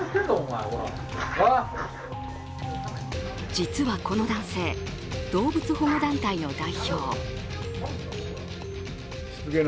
実はこの男性、動物保護団体の代表。